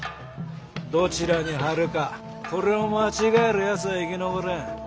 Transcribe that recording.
どちらに張るかこれを間違えるやつは生き残れん。